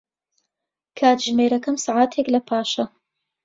کاتژمێرەکەم سەعاتێک لەپاشە.